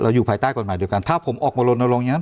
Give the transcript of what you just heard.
เราอยู่ภัยใต้กฏหมายด้วยกันถ้าผมออกมาโรนโรงอย่างนั้น